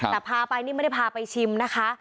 แต่พาไปนี่ไม่ได้พาไปชิมนะคะ